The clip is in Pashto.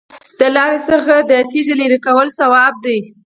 د لارې څخه د تیږې لرې کول ثواب دی.